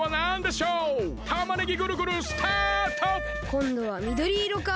こんどはみどりいろか。